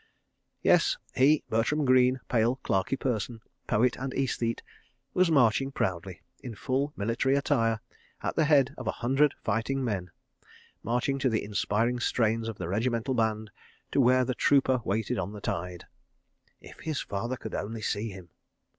Yes, he, Bertram Greene, pale clerkly person, poet and æsthete, was marching proudly, in full military attire, at the head of a hundred fighting men—marching to the inspiring strains of the regimental band, to where the trooper waited on the tide! If his father could only see him!